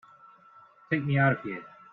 Take me out of here!